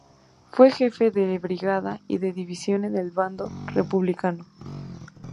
Fue jefe de brigada y de división en el bando republicano.